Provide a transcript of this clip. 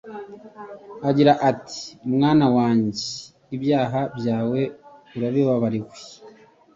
agira ati : «Mwana wanjye, ibyaha byawe urabibabariwe.»